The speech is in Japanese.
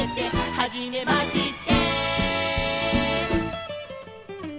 「はじめまして」